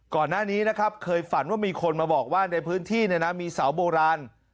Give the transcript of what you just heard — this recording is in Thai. ก่อนหน้านี้นะครับเคยฝันว่ามีคนมาบอกว่าในพื้นที่เนี่ยนะมีเสาโบราณ